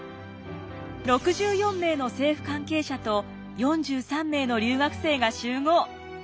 ６４名の政府関係者と４３名の留学生が集合。